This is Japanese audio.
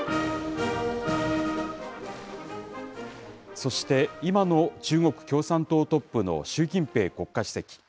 そして今の中国共産党トップの習近平国家主席。